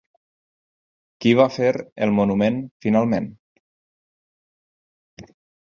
Qui va fer el monument finalment?